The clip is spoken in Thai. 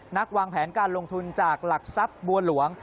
วางแผนการลงทุนจากหลักทรัพย์บัวหลวง